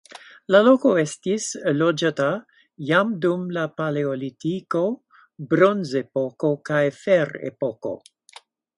La loko estis loĝata jam dum la paleolitiko, bronzepoko kaj ferepoko.